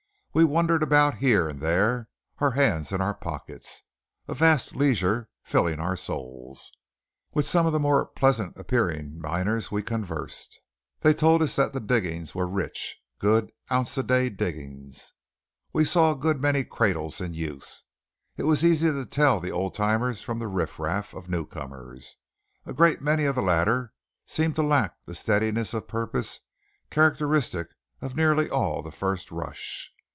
We wandered about here and there, our hands in our pockets, a vast leisure filling our souls. With some of the more pleasant appearing miners we conversed. They told us that the diggings were rich, good "ounce a day" diggings. We saw a good many cradles in use. It was easy to tell the old timers from the riffraff of newcomers. A great many of the latter seemed to lack the steadiness of purpose characteristic of nearly all the first rush.